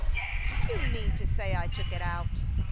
" Do you mean to say I took it out